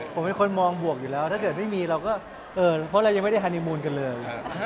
ผมเป็นคนมองบวกอยู่แล้วถ้าเกิดไม่มีเราก็เพราะเรายังไม่ได้ฮานีมูลกันเลย